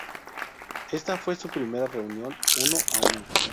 Esta fue su primera reunión uno a uno.